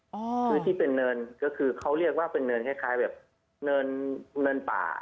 คือที่เป็นเนินก็คือเขาเรียกว่าเป็นเนินคล้ายแบบเนินป่า